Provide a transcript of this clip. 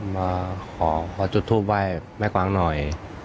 มาขอจุดทูปไหว้แม่กวางหน่อย